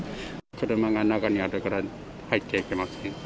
車が中にあるから、入っちゃいけませんか？